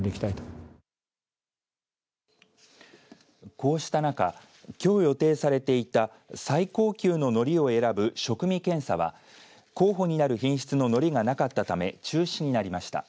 こうした中きょう予定されていた最高級ののりを選ぶ食味検査は候補になる品質ののりがなかったため中止になりました。